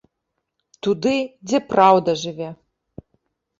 Туды, дзе праўда жыве!